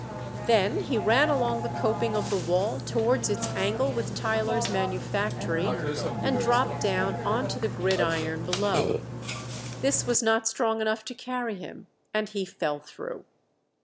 Then he ran along the coping of the wall towards its angle with Tyler's manufactory, and dropped down on to the gridiron below. This was not strong enough to carry him, and he fell through.